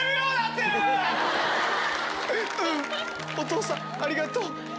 うんお父さんありがとう。